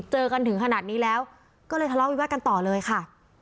เจอกันถึงขนาดนี้แล้วก็เลยทะเลาะวิวาสกันต่อเลยค่ะ